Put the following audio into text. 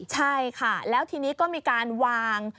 ใช่ค่ะแล้วทีนี้ก็มีการวาง